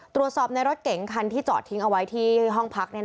ตรวจสอบในรถเก๋งคันที่จอดทิ้งเอาไว้ที่ห้องพัก